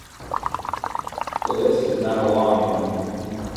The list is not a long one.